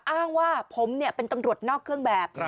อ้างว่าผมเป็นตำรวจนอกเครื่องแบบ